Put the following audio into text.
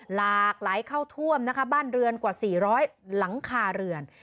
หลากไหลเข้าท่วมนะคะบ้านเรือนกว่า๔๐๐หลังคาเรือน